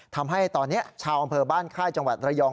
ทำให้ตอนนี้ชาวอำเภอบ้านค่ายจังหวัดระยอง